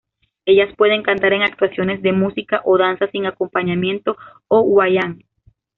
Ellas pueden cantar en actuaciones de música o danza sin acompañamiento, o "wayang".